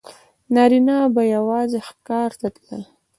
نارینه به یوازې ښکار ته تلل.